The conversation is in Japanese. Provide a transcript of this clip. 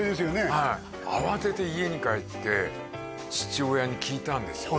はい慌てて家に帰って父親に聞いたんですよ